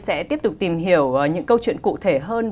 sẽ tiếp tục tìm hiểu những câu chuyện cụ thể hơn